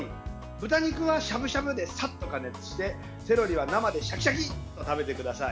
豚肉は、しゃぶしゃぶでさっと加熱してセロリは、生でシャキシャキと食べてください。